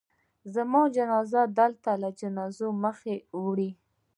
زما جنازه د ده له جنازې مخکې وړئ.